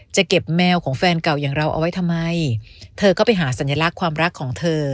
จะเก็บแมวของแฟนเก่าอย่างเราเอาไว้ทำไมเธอก็ไปหาสัญลักษณ์ความรักของเธอ